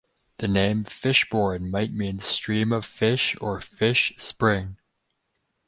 The name "Fishbourne" might mean "stream of fish" or "fish spring.